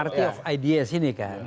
rt of ideas ini kan